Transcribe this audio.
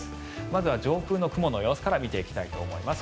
まずは上空の雲の様子から見ていきたいと思います。